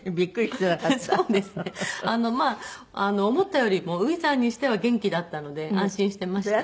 まあ思ったよりも初産にしては元気だったので安心してました。